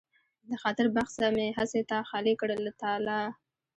د خاطر بخڅه مې هسې تا خالي کړ له تالا